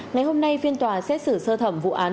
ngày hôm nay phiên tòa xét xử sơ thẩm vụ án